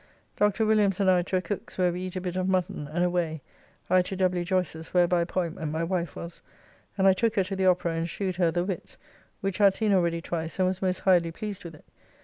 Dr. Williams and I to a cook's where we eat a bit of mutton, and away, I to W. Joyce's, where by appointment my wife was, and I took her to the Opera, and shewed her "The Witts," which I had seen already twice, and was most highly pleased with it.